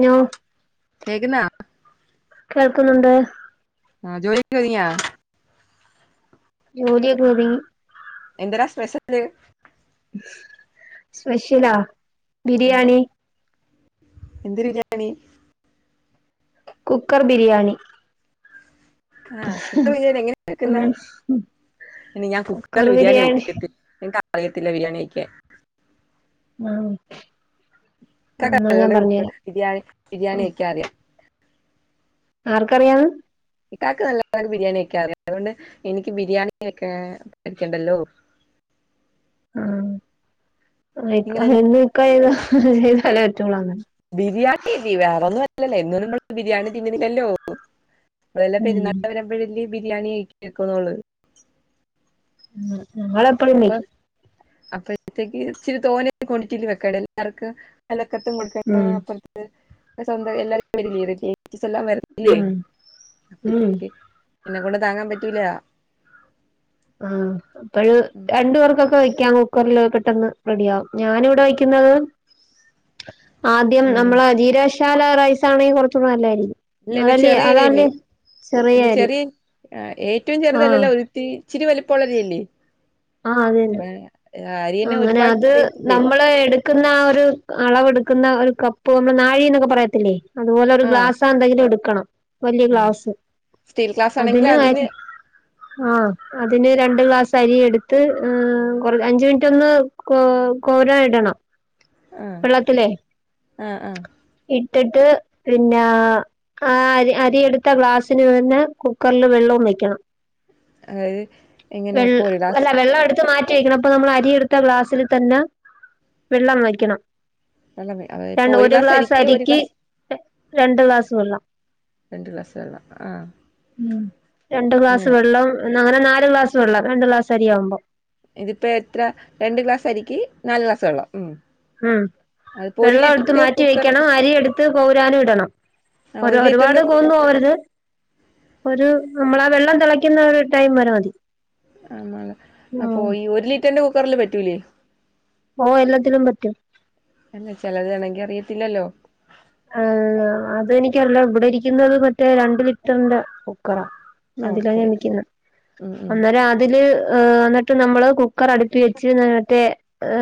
ഞോ കേക്കുന്നൊ കേൾക്കുന്നുണ്ട് ആഹ് ജോലിഒക്കെ ഒതുങ്ങിയോ ജോലി ഒക്കെഒതുങ്ങി എന്തെരാ സ്പെഷ്യല് സ്പെഷ്യലാ? ബിരിയാണി എന്ത്‌ ബിരിയാണി കുക്കർ ബിരിയാണി ആഹ് കുക്കർ ബിരിയാണി എങ്ങനെ ഉം വെക്കുന്ന ഇനി ഞാൻ കുക്കറിൽ ബിരിയാണി വെക്കത്തില്ല എനക്ക് അറിയത്തില്ല ബിരിയാണി വെക്കാൻ ആഹ് [unintelligible] എന്നാ ഞാൻ കുക്ക് പറഞ്ഞുതരാം ബിരിയാണി ബിരിയാണി ഒക്കെ അറിയാം ആർക്കറിയാന്ന് ഇക്കാക്ക് നല്ലോണം ബിരിയാണി വെക്കാറിയ അതുകൊണ്ട് എനിക്ക് ബിരിയാണി വെക്കാൻ പഠിക്കണ്ടല്ലോ ആ നിങ്ങൾ ഇക്കാ എനിക്ക് എന്നും ഇക്കാ ചെയ് ചെയ്താലേ പറ്റൊള്ളൂ അങ്ങനെ ബിരിയാണിയല്ലേ വേറെ ഒന്നും അല്ലല്ലോ എന്നും നമ്മള് ബിരിയാണി തിന്ന്ണില്ലല്ലോ അളെല്ലാം ഉം പെരുന്നാൾ വരമ്പഴല്ലേ ബിരിയാണി വെക്കുന്നുള്ളു ഞങ്ങൾ എപ്പഴും വെക്കും അത്തേക്ക് ഇച്ചിരി തോനെ ക്വാണ്ടിറ്റിൽ വെക്ക എല്ലാർക്കും അലക്കത്തും കൊടുക്ക ഉം അപ്പുറത്ത് സര്യം എല്ലും വരില്ല എല്ലാം വരുന്നില്ലേ ഉം ഉം അ എന്നെ കൊണ്ട് താങ്ങാൻ പറ്റൂല ആ അപ്പോഴ് രണ്ടു പേർക്കൊക്കെ വ യ്ക്കാൻ കുക്കറിൽ പെട്ടെന്ന് റെഡിയ ആകും ഞാാനിവിടെ വയ്ക്കുന്നത് ആദ്യം ഉം നമ്മള് ജീരക ശാല റൈസ ആണെങ്കിൽ കൊറച്ചൂടി നല്ലായിരിക്കും ഇല്ല ഇല്ല അതല് ചെറിയ അതല്ല അരിയല്ലേ ഇല്ല ചെറിയ ഏറ്റവും ആഹ് ചെറുതല്ലല്ല ഒരുത്തി ഇച്ചിരി വലിപ്പോള്ള അരി അല്ലെ ആ അതന്നെ തന്നെ അങ്ങനെ ഒരുപാട് അത് ടൈപ്പില്ലേ നമ്മള് എടു എടുക്കുന്ന ആ ഒരു അളവെടുക്കുന്ന ഒരു കപ്പ് നമ്മൾ നാഴി എന്നൊക്കെ പറയത്തില്ലേ അതുപോലെ ഒരു ആഹ് ഗ്ലാസ്സാ ന്തെങ്കിലും എടുക്കണം വലിയ ഉം ഗ്ലാസ് സ്റ്റീൽ ഗ്ലാസ് ആണെങ്കിൽ അതിന് അരി ആ അതിന് രണ്ട് ഗ്ലാസ്‌ സരിയ എടുത്ത് കൊറ അഞ്ച് മിനിറ്റ് ഒന്ന് കോ കോരം ഇടണം ആഹ വെള്ളത്തിലേ ആഹ ആഹ ഇട്ടിട്ട് പിന്ന അരി എടുത്ത ഗ്ലാസിന് തന്നെ കുക്കറിൽ വെള്ള വെക്കണം അതായത് എങ്ങനെ ഇപ്പൊ ഒരു ഗ്ലാസ് വെള്ള വെള്ളം എടുത്തു മാറ്റി പ്പ നമ്മൾ അരിയെടുത്ത ഗ്ലാസ്സിൽ തന്നെ വെള്ളം വെക്ക്ണം വെള്ളം വെ- അതായത് ര ഇപ്പൊ ഒരു ഗ്ലാസ് ഒരു അരിക്ക് ഗ്ലാസ് രണ്ട് ഗ്ലാസ്‌ വെള്ളം രണ്ട് ഗ്ലാസ്‌ വെള്ളം രണ്ടു ഗ്ലാസ്‌ അങ്ങനെ വെള്ളം അങ്ങനെ നാലു ഗ്ലാസ്സ് വെള്ളം രണ്ടു ഗ്ലാസ് അരിയാവുമ്പോം ഇതിപ്പോ എത്ര രണ്ട് ഗ്ലാസ്അരിക്ക് നാലു ഗ്ലാസ്‌ വെള്ളം ഉം ഉം അതിപ്പോ ഒരു വെള്ളം എടുത്ത് ലിറ്ററിന്റെ മാറ്റി കുക്കർ വെക്കണം അരിയ എടുത്ത് പൗരാനും ഇടണം ആ ഒരു ഒരുപാട് ലിറ്ററിന്റെ തോന്നുവരുത് ഒരു നമ്മളാ വെള്ളം തെളയ്ക്കുന്ന ഒരു ടൈം വരെ മതി ആള അപ്പൊ ആഹ് ഈ ഒരു ലിറ്ററിന്റെ കുക്കറില് പറ്റൂലേ ഓ എല്ലാത്തിനും പറ്റും അല്ല ചിലതാണെങ്കി അറിയത്തില്ലല്ലോ ആ അതെനിക്കറില്ല ഇവിടെ ഇരിക്കുന്നത് മറ്റേ രണ്ട് ലിറ്ററിന്റെ കുക്കറ ആ ഓക്കെ അതിലഞാവെയ്ക്കുന്നെ ഉം ഉം അന്നേരം അതില് [unintelligible] ഹ ന്നിട്ട് നമ്മള് കുക്കർ അടച്ചുവെച്ച് മറ്റേ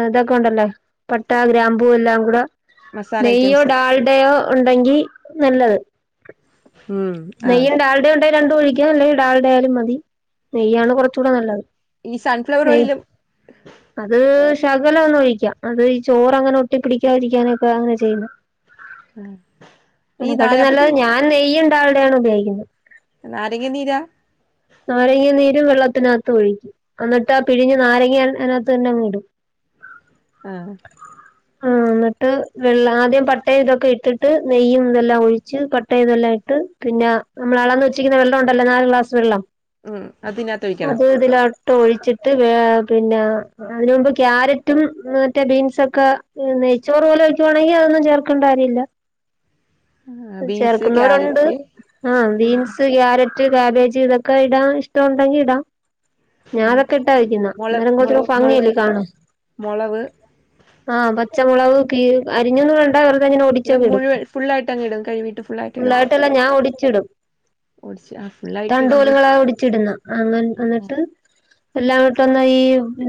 ഇതൊക്കെ ഉണ്ടല്ലേ പട്ട ഗ്രാമ്പൂ ഗ്രാമ്പു എല്ലാം കൂടെ മസാല ഐറ്റംസ് എല്ലാം ഉണ്ടെങ്കി നല്ലത് ഉം നെയ്യും ആഹ് ഡാൽഡയും ഉണ്ടെങ്കിൽ രണ്ടും ഒഴിക്കാം അല്ലെങ്കി ഡാൽഡാ ആയാലും മതി നെയ്യാണ് കുറച്ചുടെ നല്ലത് ഈ സൺഫ്ലവർ നെയ്യ് ഓയിലും അത് ശകലം ഒന്ന് ഒഴിക്കാം അത് ഈ ചോറങ്ങനെ ഒട്ടിപ്പിടിക്കാതിരിക്കാന ഒക്കെ അങ്ങനെ ചെയ്യുന്നു ഈ അയിനാ കാട്ടിലും നാലാപ്പത്തി നല്ലത് ഞാൻ നെയ്യും ഡാൾഡയും ആണ് ഉപയോഗിക്കുന്നത് നാരങ്ങ നീരാ നാരങ്ങ നീരും വെള്ളത്തിനകത്ത് ഒഴിക്കും എന്നിട്ട് ആ പിഴിഞ്ഞാ നാരങ്ങ അയിനകത്ത് തന്നെങ്ങടും ആ ആഹ് ന്നട്ട് ആദ്യം പട്ടതൊക്കെ ഇട്ടിട്ട് നെയ്യും ഇതെല്ലാം ഒഴച്ച് പട്ടയതെല്ലാംട്ട് പിന്നെ നമ്മൾ അളന്നു വെച്ചിക്കുന്ന വെള്ളം ഉണ്ടല്ലോ നല് ഗ്ലാസ്‌ വെള്ളം ഉം അത് ഇനാത്തൊയിക്കണം ഇട്ട് ഒഴിച്ചിട്ട് പിന്നെ അതിന് മുമ്പ് കാരറ്റും മറ്റേ ബീമ്സൊക്കെ നെയ്ച്ചോറ് പോലെ വയ്ക്കുവാണെങ്കിൽ അതൊന്നും ചേർക്കേണ്ട കാര്യമല്ല ആ ബീൻസ് ചേർക്കുന്നൊരുണ്ട് ക്യാരറ്റ് ആഹ് ആ ബീമ്സ് കാരറ്റ് കാബേജ് ഇതോക്കെ ഇടാൻ ഇഷ്ട ഉണ്ടെങ്കിൽ ഇടാം ഞാൻ പിന്നെ ഒക്കെ ഇട്ട വയ്ക്കുന്നേ മൊള അന്നേരം മൊള കൊറച്ചൂട മൊള ഭംഗിയല്ലേ കാണൻ മൊളവ് ആഹ പച്ചമുളക് ഒക്കെ കി അരിഞ്ഞൊന്നും വേണ്ട വെറുതെ ഇങ്ങനെ അല്ല ഒടിചങ് ഇടും മുഴുവൻ ഫുള്ളായിട്ട് അങ്ങ് ഇടും കഴുവിട്ട് ഫുള്ളായിട്ട് ഇടും ഫുള്ളായിട്ടല്ല ഞാൻ ഒടിച്ചിടും ഓടിച്ച് ആ ഫുള്ളായിട്ട് ഇടും ങ്ങളാ ഓടിച്ചിടുന്നെ ആ ഇന്നട്ട് എല്ലായിട്ടൊന്ന ഈ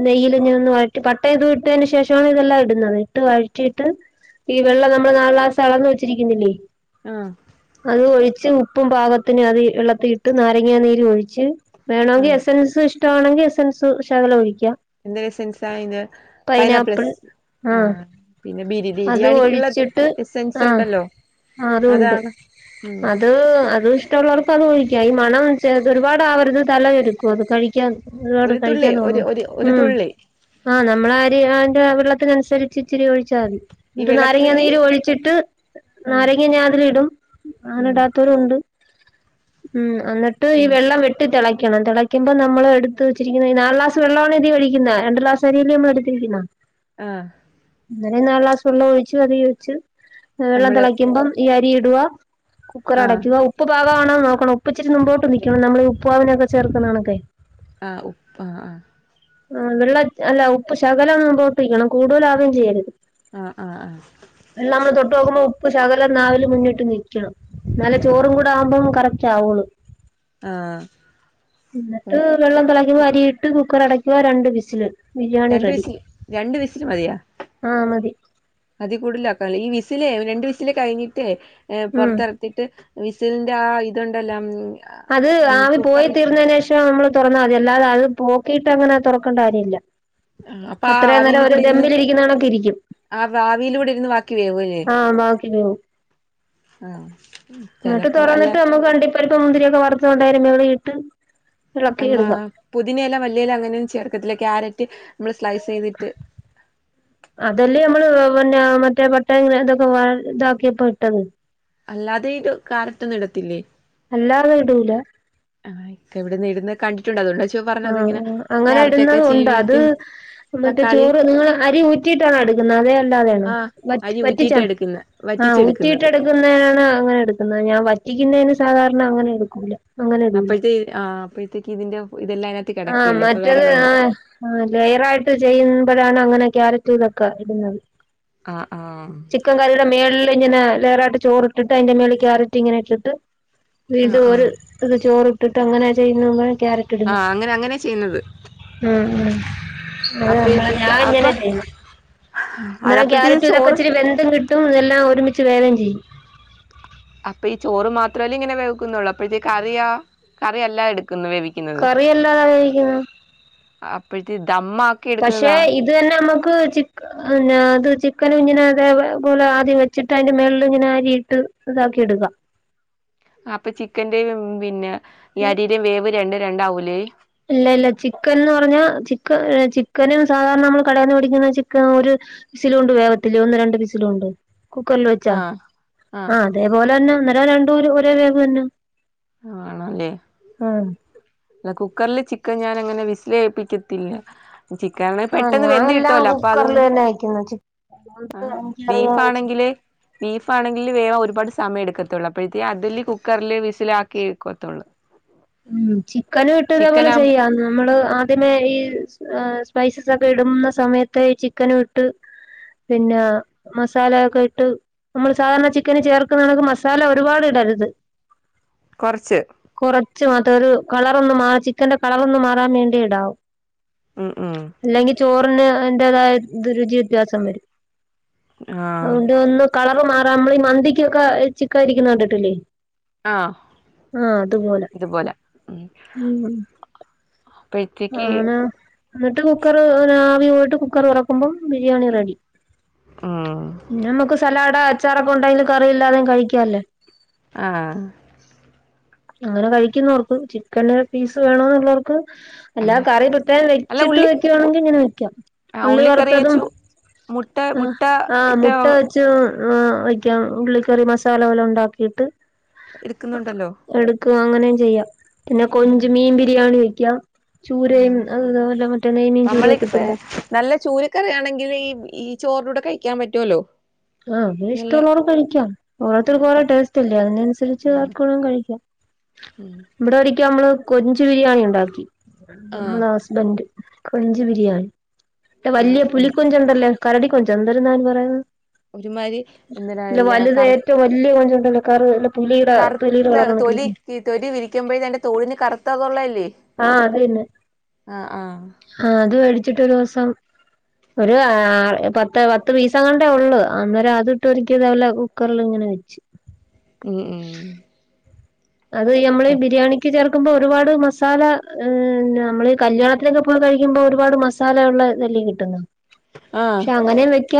നെയ്യിൽ ഇങ്ങെ ഒന്ന് വഴറ്റി പട്ടയൊക്കെ ഇട്ടതിന് ശേഷമാണ് ഇതെല്ലാം ഇടുന്നത് ഇട്ട് വഴറ്റി ട്ട് ഈ വെള്ളം നമ്മള് നാല്ഗ്ലാസ്‌ അളന്നു വെച്ചിരിക്കുന്നില്ലേ ആ ലേശം ഉപ്പും പാകത്തിന് അത് വെള്ളത്തിട്ട് നാരങ്ങ നീര് ഒഴിച്ച് വേണമെങ്കിൽ ആ എസൻസ് ഇഷോ ആണെങ്കിൽ എസൻസ് ശകലം ഒഴിക്കാം എന്ത് എസൻ സായിൻ പൈനാപ്പ്ൾ പൈനാപ്പിൾ എസ്ൻസ് ആ ആഹ് പിന്നെ ബിരി അത് ബിരിയാണിക്കുള്ള എസൻസ് ഉണ്ടല്ലോ ആ അതുണ്ട് അതാണ് ഉം അത് അത് മറ്റുള്ളവർക്ക് അത് കഴിക്കാം ഈ മണം ഒരുപാട് അവരുത് തലവെരുക്കും അത് കഴിക്കും ഒരു തുള്ളി കഴിക്കാൻ ഒരു തോന്നൂ ഒരു ഒരു ഉ തുള്ളി ആഹ് നമ്മളാ അരിക് അനുസരിച് വെള്ളത്തിനുസരിച്ച് ഇച്ചിരി ഒഴിച്ചാതി ഈ എന്നിട്ട് നാരങ്ങ വെള്ളത്തിലുള്ളി നീര് ഒഴിച്ചിട്ട് ആഹ് നാരങ്ങ ഞാതിൽ ഇടും അങ്ങനെ ഉം ഇടാത്തോ രും ഉണ്ട് ഉം അന്നിട്ട് ഈ ആഹ് വെള്ളം വെട്ടി തിളക്കിണം വണം തിളക്കുമ്പോ നമ്മള് എടുത്ത് വെച്ചിരിക്കുന്ന നാല്ക്ലാസ് വെള്ള ആണ ഇതി ഒഴിക്കുന്നേ രണ്ട് ക്ലാസ്സരിയല്ലേ നമ്മ എടുത്തിരിക്ക്ണേ ആ അന്നനെ നാല് ക്ലാസ്സ് വെള്ളമൊഴിച്ചു അതി ഒഴിച്ചു വെള്ളം നമ്മള് തിളയ്കുമ്പോ ഈ അരി ഇടുവാ കുക്കർ ആഹ് അടയ്ക്കുക ഉപ്പ് പകാണോ നോ ണം ഉപ്പ് ഇച്ചിരി മുമ്പോട്ട് നിക്കണം നമ്മൾ ഉപ്പുവാവിനൊക്കെ ചേർക്കുന്നണൊക്കെ ആഹ് ഉപ്പാ ആഹ് ആഹ ആ വെള്ള അല്ല ഉപ്പ് ശകലം ഒന്ന് മുമ്പോട്ട് നിക്കണം കൂടുതല ആവേയും ചെയ്യരുത് ആഹ് ആഹ് ആഹ് വെള്ള നമ്മൾ തൊട്ട് നോക്കുമ്പോൾ ഉപ്പ് ശകലം നവിൽ മുന്നിട്ട് നിക്കണം ന്നലെ ഉം ചോറും കൂടെ ആവുമ്പോം കറക്റ്റ് ആവുള്ളൂ ആ എന്നിട്ട് വെള്ളം തിളക്കുമ്പോ അരിയിട്ട് കുക്കർ അടക്കുവ രണ്ട് വിസിൽ രണ്ട് വിസിൽ രണ്ട് വിസിൽ മതിയാ ആ മതി അതി കൂടുതല ആാക്കല്ലോ ഈ വി വിസിലേ രണ്ട് വിസില് കഴിഞ്ഞിട്ടേ ഉം പുറത്തിറത്തിട്ട് വിസിലിന്റെ ആ ഇതുണ്ടല്ലാം അത് ആവി പോയി തീർന്നതിനന് ശേഷം നമ്മള് തുറന്നാൽ മതി അല്ലാതെ അത് പോക്കിയിട്ട് അങ്ങനെ തുറക്കേണ്ട കാര്യമില്ല ആഹ് അപ്പൊ ആ അത്രയും ആവിൽ നേരം ഒരു കൂടി ഇരുന്ന് ദമ്പിലിരിക്കുന്നണൊക്കെ ഇരിക്കും ആ ആവിയിലൂടെ ഇരുന്ന് ബാക്കി വേവൂല്ലേ ആ ബാക്കി വേവും ആഹ് എന്നിട്ട് ചെലപ്പോ അല്ല തുറന്നിട്ട് നമ്മു കണ്ടി അണ്ടിപ്പരിപ്പ് മുന്തിരിയക്കെ വറുത്തുകൊണ്ട് അയിന്റെ മേലെ ഇട്ട് ഇളക്കി ആ എടുക്കാം പുതിനയില മല്ലിയില അങ്ങനെയന്നും ചേർക്കത്തില്ല ക്യാരറ്റ് നമ്മള് സ്ലൈസ് ചെയ്തിട്ട് അതെല്ലേ നമ്മള് പിന്നെ മറ്റേ പട്ടങ്ങന ഇതൊക്കെ ഇതാക്കിയപ്പോ ഇട്ടത് അല്ലാതെ ഇ ഒരു കാരറ്റ് ഒന്നും ഇടത്തില്ലേ അല്ലാതെ ഇടൂല ആ ഇക്ക ഇവിടെന്ന് ഇടന്ന് കണ്ടിട്ടുണ്ട് അതൊണ്ടണ്ട് ചേ ആ ആ അങ്ങനെ ഇടുന്നത ഉണ്ട് അത് ചീവീട്ട് മറ്റേ തക്കാളി ചോറ് നിങ്ങ അരി ഊറ്റിയിട്ടാണ് അതല്ലത ആഹ് അരി [unintelligible] വറ്റിച്ച ഊറ്റിയിട്ടാ എടുക്കുന്നെ ആ ഊറ്റിയിട്ട വറ്റിച്ചെടുക്കുന്നത് എടുക്കുന്നാണ് അങ്ങനെ എടുക്കുന്നത് ഞാൻ വറ്റിക്കുന്നതിന് സാധാരണ അങ്ങനെ എടുക്കൂല അങ്ങനെ ഇടൂല അപ്പോഴത്തെേ ആ് അപ്പോഴത്തേക്ക് ഇതിന്റെ ഇതെല്ലാം ആ കിടക്കല്ലേ അപ്പൊ വേറെ മറ്റത് വേണ്ട ആ ലെയയറായിട്ട് ചെയ്യുമ്പോഴാണ് അങ്ങനെ ക്യാരറ്റ് ഒക്കെ ഇടുന്നത് ആ ആ ചിക്കൻ കറിയുടെ മേളിൽ ഇങ്ങനെ ലെയർ ആയിട്ട് ചോറ് ഇട്ടിട്ട് അയിന്റെ മേലിൽ കേരറ്റ് ഇട്ടിട്ട് വീണ്ടും ആഹ് ഒരു ആഹ് ഇത് ചോറി ഇട്ടിട്ട് അങ്ങനെ ചെയ്യുന്ന കക്യാരറ്റ് ഇടുന്നു ആഹ് അങ്ങനെ അങ്ങനെ ചെയ്യുന്നത് ഉം ഉം [unintelligible] ഞാൻ അപ്പഴത്തേക്ക് അ അപ്പൊ ങ്ങനെല്ല എന്നന്നോല അതപ്പോഴത്തേക്ക് ക്യാരറ്റ് ചോറ് ഇതക്കച്ചിരി വെ ന്തും കിട്ടും എല്ലാം ഒരുമിച്ച് വേവും ചെയ്യും അപ്പൊ ഈ ചോറ് മാത്രമല്ലേ ഇങ്ങനെ വെക്കുന്നുള്ളൂ അപ്പഴത്തെ കറിയാ കറി അല്ല എടു കറിയല്ലാതാ എങ്ങനെ കഴിക്കാ അപ്പോഴത്തെ ദമ്മാക്കി പക്ഷെ എടുക്കുന്നതാ ഇത് തന്നെ നമ്മക്ക് അത് ചിക്കന ചിക്കൻ ഇങ്ങനെ അതേപോലെ ആദ്യം വെച്ചിട്ട് അതിന്റെ മെള്ള ഇങ്ങനെ അരിയിട്ട് ഇതാക്കി എടുക്കാം അപ്പൊ ചിക്കന്റെ പിന്നെ ഈ അരി ന്റെയും വേവ് രണ്ട് രണ്ടാവൂലേ ഇല്ല ഇല്ല ചിക്കൻന്ന് പറഞ്ഞാ ചിക്കൻ ചിക്കനും സാധാരണ നമ്മൾ കടന്ന് പിടിക്കുന്ന ചിക്കൻ ഒരു വിസിലുകൊണ്ട് വേഗത്തില്ലേ ഒന്ന് രണ്ട് വിസിലുകൊണ്ട് കുക്കറിൽ വെച്ചാ ആഹ് ആ ആഹ് അതേപോലെ തന്നെ അന്നേരം രണ്ടൂര് ഒരേ വേവ് തന്നെ ആണല്ലേ ആ അല്ല കുക്കറില് ചിക്കൻ ഞാൻ അങ്ങനെ വിശല് ചേയ്യപ്പിക്കത്തില്ല ചിക്കണ ആ പെട്ടെന്ന് ഞാൻ വെന്ത് എല്ലാം കിട്ടല്ലോ അപ്പൊ കുക്കറിൽ അതുകൊണ്ട് തന്നെ വയ്ക്കുന്നു ചിക്കൻ ആ എനിക്കറിയാം ബീഫാണെങ്കില് ബീഫ ആണെങ്കില് വേവാ ഒരുപാ സമയം എടുക്കത്തുള്ളൂ അപ്പോഴത്തെേ അതില് കുക്കറില് വിസിലാക്കിക്കത്തുള്ളൂ ഉ ചിക്കന് ഇട്ടതേ പോലെ ചെയ്യാന്ന് നമ്മള് ആദ്യമേ ഈ സ്പൈസസ ഒക്കെ ഇടുന്ന സമയത്ത് ചിക്കന് ഇട്ട് പിന്നെ മസാലയൊക്കെ ഇട്ട് നമ്മൾ സാധാരണ ചിക്കന് ചേർക്കുന്നണക്ക് മസാല ഒരുപാട് ഇടരുത് കുറച്ച് കുറച്ച് മാത്രം ഒരു കളറ ഒന്നും മാ ചിക്കന്റെ കളറൊന്നും മാറാൻ വേണ്ടി ഇടാവും ഉം ഉം അല്ലെങ്കിൽ ചോറിന് അറതായ രുചി വ്യത്യാസം വരും ആഹ് അതുകൊണ്ട് ഒന്ന് കളർ മാറാൻ നമ്മള ഈ മന്തിക്കൊക്കെ ചിക്കായിരിക്കുന്നെ കണ്ടിട്ടില്ലേ ആ അതുപോലെ അതുപോലെ ആനെ എന്നിട്ട് കുക്കർ ആവി പോയിട്ട് കുക്കർ തുറക്കുമ്പം ബിരിയാണി റെഡി ഉം പിന്നെ നമ്മുക്ക് സലാഡ് അച്ചാറൊക്കെ ഉണ്ടെങ്കിൽ കറിയില്ലാതെും കഴിക്കല്ലേ ആ അങ്ങനെ കഴിക്കുന്നവർക്ക് ചിക്കൻ പീസ് വേണന്നുള്ളവർക്ക് എല്ലാ അല്ല കറി പ്രത്യേകം അല്ല വെച്ചിട്ട് ഉള്ളി വയ്ക്കുവാണെങ്കി ഇങ്ങനെ വെക്കാം ആഹ് ഉള്ളി ഉള്ളിക്കറി വറുത്തതും വെച്ചു മുട്ട ആ മുട്ട ആ ഇട്ട മുട്ട വെച്ചും ആ കം ഉള്ളിക്കറി മസാല പോലെ ഉണ്ടാക്കിയിട്ട് എടുക്കുന്നുണ്ടല്ലോ എടുക്കുക അങ്ങനെയും ചെയ്യാം പിന്നെ കൊഞ്ച് മീൻ ബിരിയാണി വെക്ക ആ നെയ്മീൻ ചൂരയൊക്കെ നമ്മളക്ക്പ്പ കിട്ടുമ്പോ നല്ല ചൂല കരിയാണെങ്കിൽ ഈ ഈ ചോറിൻ്റെ കൂടെ കഴിക്കാൻ പറ്റുവല്ലോ ആ അവര് നല്ല ഇഷ്ടമുള്ളവർ കഴിക്കാം ഓരോത്തർക്ക് ഓരോ ടേസ്റ്റ് ഇല്ലേ അതിനനുസരിച്ച് ആഹ് ആർക്ക് വേണോ കഴിക്കാം ഉം ഇവിടെ ഒരിക്കും നമ്മള് കൊഞ്ച് ബിരിയാണി ഉണ്ടാക്കി ആഹ് നമ്മള ഹസ്ബന്ഡ് കൊഞ്ച് ബിരിയാണി ആഹ് വലിയ പുലി ഉം കൊഞ്ചം ഉണ്ടല്ലോ കരടി കൊഞ്ചോ എന്താ അതിന് പറയുന്നത് ഒരുമാതിരി ഇല്ല എന്തിനാല്ല വലുത കറ ഏറ്റവും വലിയ കൊഞ്ച് ഉണ്ടല്ലോ കർ കർ കറുത്ത തൊലി തൊലി വിരിക്കുമ്പോഴേ തന്റെ തൊഴിന് കറുത്തതുള്ള ആഹ് അത് തന്നെ ആഹ് ആ അത് മേടിച്ചിട്ട് ഒരു ദിവസം ഒരു പത്ത് പത്ത് പീസ കൊണ്ടേ ഉള്ളു അന്നേരം അത് ഇട്ടരിക്കിയതല്ല കുക്കറിൽ ഇങ്ങനെ വച്ച് ഉം ഉം അത് നമ്മള് ബിരിയാണിക്ക് ചേർ ക്കുമ്പോ ഒരുപാട് മസാല നമ്മള് കല്യാണത്തിനൊക്കെ പോയി കഴിക്കുമ്പോ ഒരുപാട് മസാല ഉള്ളത ലേ കിട്ടുന്ന് ആഹ് പക്ഷെ അങ്ങനെ വെക്ക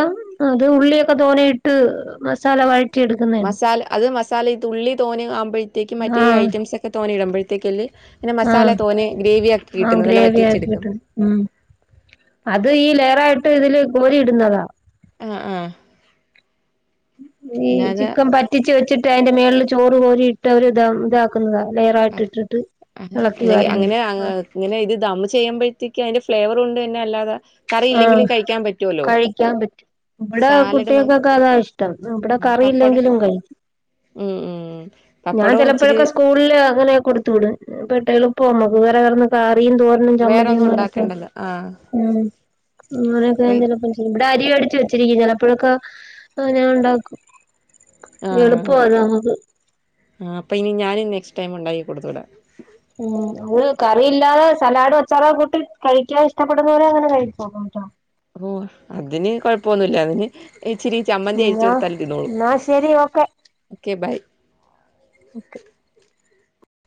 അത് ഉള്ളിയൊക്കെ തോണയിട്ട് മസാല അത് മസാല തുള്ളി തോന്നി ആവുമ്പോഴേ ലേക്ക് മറ്റേ ആഹ് ഐറ്റംസ് ഒക്കെ തോനേയിടുമ്പോഴത്തേക്കല് പിന്നെ ആഹ് മസാല തോന്നെ ഗ്രേവി ആക്കി ആഹ് കിട്ടുന്നു നല്ല ഗ്രേവി വറ്റിച്ചെടുക്കും ആക്കിയിട്ടുണ്ട് ഉം അത് ഈ ലെയറായിട്ട് ഇതില് കോരിയിടുന്നതാ ആ ആ ഈ ചിക്കൻ പറ്റിച് വെച്ചിട്ട് അതിന്റെ മേളില് ചോറ് കോരിയിട്ട് അവര് ഇതാ ഇതാക്കുന്നതാണ് റായിട്ട ഇട്ടിട്ട് അ അല്ലെ വാരുന്നത് അങ്ങനെ ഇങ്ങനെ ഇത് ദം ചെയ്യുമ്പഴത്തേക്കും അതിന്റെ ഫ്ലേവർ കൊണ്ട് തന്നെ അല്ലാത ആ കഴിക്കാൻ പറ്റും ഇവിടെ സാലഡ് മാ കുട്ടികൾക്കൊക്കെ അതാ ഇഷ്ടം ഇവിടെ പപ്പടം കറിയില്ലെങ്കിലും കഴിക്കും ഉം ഉം ഞാൻ പപ്പടവും ഇച്ചിരി ചിലപ്പോഴൊക്കെ സ്കൂളില് അങ്ങനെ കൊടുത്തു വിടും പട്ട എളുപ്പമ്മക്ക് യും തോരനും ചമ്മന്തിയും വേറൊന്നും അനക്കെ ഉണ്ടാക്കണ്ടല്ലോ ആഹ് ഉം അപ്പ അരി അടിച്ച് വെച്ചിരിക്ക ചിലപ്പോഴൊക്കെ അങ്ങനെ ഉണ്ടാക്കും ആ എളുപ്പവാ അത് നമുക്ക് ആ അപ്പൊ ഇനി ഞാനും നെക്സ്റ്റ് ടൈം ഉണ്ടായി കൊടുത്ത് വിട ഉം അത് കറിയില്ലാതെ സലാഡ് വച്ചാറ കൂട്ടി കഴിക്കാൻ ഇഷ്ടപ്പെടുന്നവരെ അങ്ങനെ കഴി കേട്ടോ ഓ അതിന് കൊഴപ്പൊന്നുമില്ല അതിന് ച്ചിരി ചമ്മന്തി അരിച്ചു എന്നാ കൊടുത്താല് ഇരുന്നോളൂ എന്നാ ശരി ഓക്കെ ബൈ ഓക്കെ